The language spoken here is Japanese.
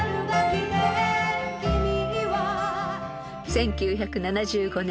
［１９７５年